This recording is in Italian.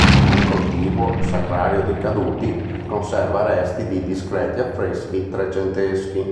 Il contiguo "Sacrario dei caduti" conserva resti di discreti affreschi trecenteschi.